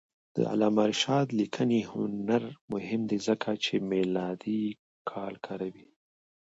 د علامه رشاد لیکنی هنر مهم دی ځکه چې میلادي کال کاروي.